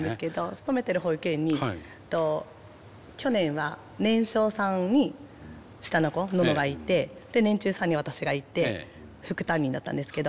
勤めてる保育園に去年は年少さんに下の子ノノがいて年中さんに私がいて副担任だったんですけど。